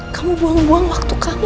kamu buang buang waktu kamu